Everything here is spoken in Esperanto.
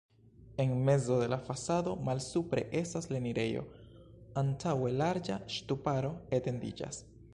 En mezo de la fasado malsupre estas la enirejo, antaŭe larĝa ŝtuparo etendiĝas.